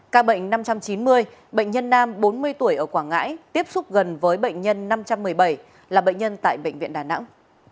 ca bệnh năm trăm chín mươi bệnh nhân nam bốn mươi tuổi ở quảng ngãi tiếp xúc gần với bệnh nhân năm trăm một mươi bảy là bệnh nhân tại bệnh viện đà nẵng